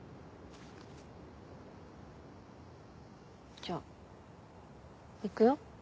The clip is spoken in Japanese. じゃあ行くよ。